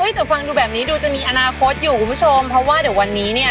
แต่ฟังดูแบบนี้ดูจะมีอนาคตอยู่คุณผู้ชมเพราะว่าเดี๋ยววันนี้เนี่ย